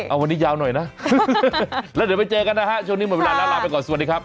เอาวันนี้ยาวหน่อยนะแล้วเดี๋ยวไปเจอกันนะฮะช่วงนี้หมดเวลาแล้วลาไปก่อนสวัสดีครับ